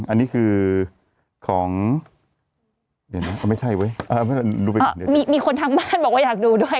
อันนี้คือของเดี๋ยวนะไม่ใช่เว้ยมีคนทางบ้านบอกว่าอยากดูด้วย